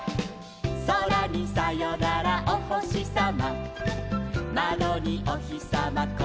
「そらにさよならおほしさま」「まどにおひさまこんにちは」